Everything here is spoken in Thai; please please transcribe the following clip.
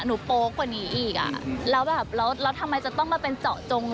โป๊กกว่านี้อีกอ่ะแล้วแบบแล้วแล้วทำไมจะต้องมาเป็นเจาะจง